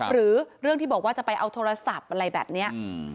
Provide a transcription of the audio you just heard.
หรือเรื่องที่บอกว่าจะไปเอาโทรศัพท์อะไรแบบนี้